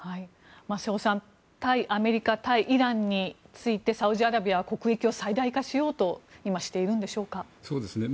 瀬尾さん、対アメリカ対イランについてサウジアラビアは国益を最大化しようとしているんでしょうか。